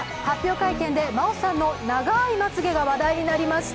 会見で真央さんの長いまつげが話題になた。